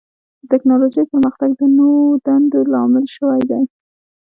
د ټکنالوجۍ پرمختګ د نوو دندو لامل شوی دی.